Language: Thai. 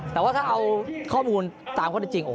แต่ถ้าเอาข้อมูลตามเขาถึง